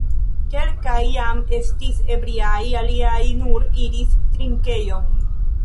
Kelkaj jam estis ebriaj, aliaj nur iris drinkejon.